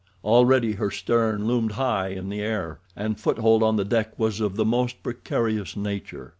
Already her stern loomed high in the air, and foothold on the deck was of the most precarious nature.